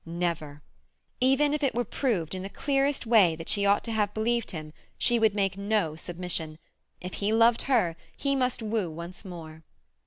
Never! Even if it were proved in the clearest way that she ought to have believed him she would make no submission. If he loved her he must woo once more.